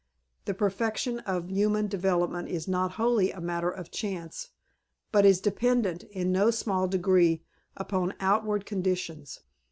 The perfection of human development is not wholly a matter of chance, but is dependent, in no small degree, upon outward conditions.